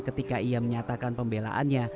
ketika ia menyatakan pembelaannya